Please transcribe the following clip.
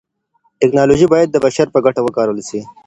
تکنالوژي بايد د بشر په ګټه وکارول سي.